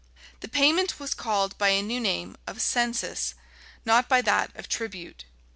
The payment was called by a new name of "census," not by that of tribute.